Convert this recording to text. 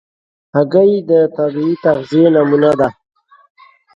هګۍ د طبیعي تغذیې نمونه ده.